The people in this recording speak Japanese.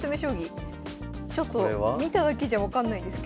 ちょっと見ただけじゃ分かんないですけど。